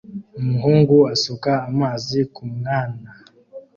Umuhungu asuka amazi kumwana